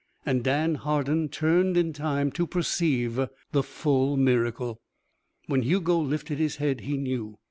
And Dan Hardin turned in time to perceive the full miracle. When Hugo lifted his head, he knew.